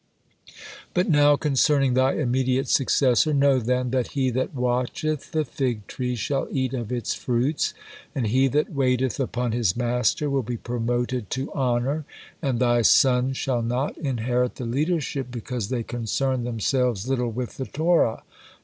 But now, concerning thy immediate successor, know then that he that watcheth the fig tree shall eat of its fruits, and he that waiteth upon his master will be promoted to honor, and thy sons shall not inherit the leadership because they concerned themselves little with the Torah.